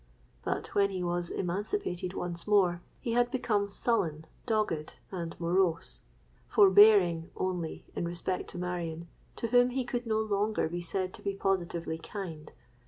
But when he was emancipated once more, he had become sullen, dogged, and morose—forbearing only in respect to Marion, to whom he could no longer be said to be positively kind.